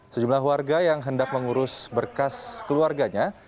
sejumlah warga yang hendak mengurus berkas keluarganya